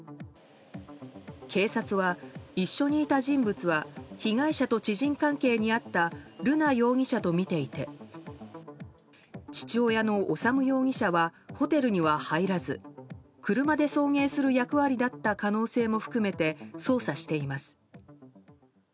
警察は一緒にいた人物は被害者と知人関係にあった瑠奈容疑者とみていて父親の修容疑者はホテルには入らず車で送迎する役割だった可能性も含めて捜査しています。